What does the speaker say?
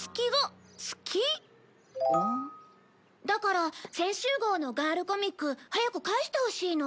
だから先週号の『ガールコミック』早く返してほしいの。